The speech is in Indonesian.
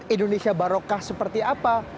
indonesia baroka seperti apa